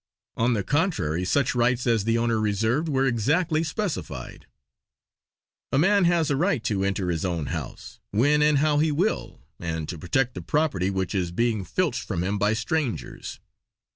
On the contrary such rights as the owner reserved were exactly specified." "A man has a right to enter his own house, when and how he will; and to protect the property which is being filched from him by strangers!"